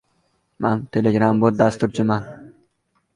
Toshkent shahrida sovuq suv o‘chiriladi